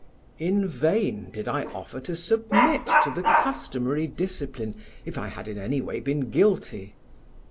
In vain did I offer to submit to the customary discipline if I had in any way been guilty.